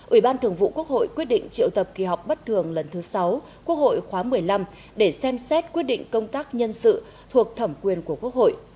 ủy ban thường vụ quốc hội quyết định triệu tập kỳ họp bất thường lần thứ sáu quốc hội khóa một mươi năm để xem xét quyết định công tác nhân sự thuộc thẩm quyền của quốc hội